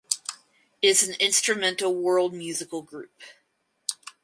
It is an instrumental World musical group.